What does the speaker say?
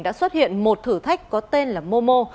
đã xuất hiện một thử thách có tên là momo